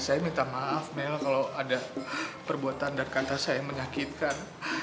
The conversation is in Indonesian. saya minta maaf mel kalau ada perbuatan dan kata saya yang menyakitkan